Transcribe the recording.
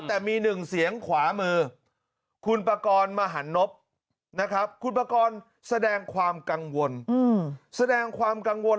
แต่มี๑เสียงขวามือคุณประกอบมหานบนะครับคุณประกอบแสดงความกังวล